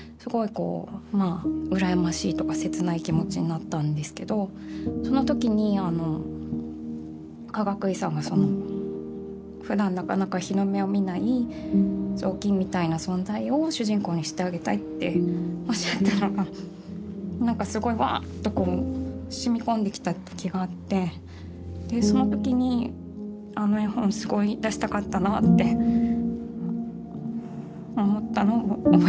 こうまあ羨ましいとか切ない気持ちになったんですけどその時にかがくいさんがふだんなかなか日の目を見ないぞうきんみたいな存在を主人公にしてあげたいっておっしゃったのが何かすごいわっとこうしみ込んできた時があってでその時にあの絵本すごい出したかったなあって思ったのを覚えてます。